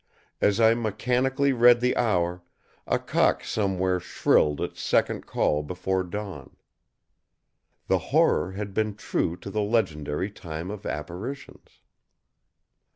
As I mechanically read the hour, a cock somewhere shrilled its second call before dawn. The Horror had been true to the legendary time of apparitions.